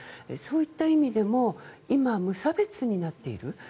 そういった意味でも今、無差別になっている。